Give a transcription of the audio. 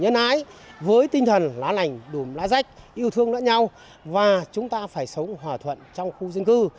chúng ta phải sống tốt với tinh thần lá lành đùm lá rách yêu thương đỡ nhau và chúng ta phải sống hòa thuận trong khu dân cư